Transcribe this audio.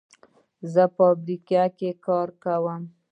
زه په فابریکه کې کار کوم.